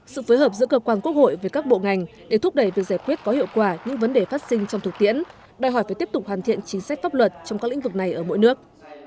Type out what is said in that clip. sự phối hợp giữa cơ quan quốc hội với các bộ ngành để thúc đẩy việc giải quyết có hiệu quả những vấn đề phát sinh trong thực tiễn đòi hỏi phải tiếp tục hoàn thiện chính sách pháp luật trong các lĩnh vực này ở mỗi nước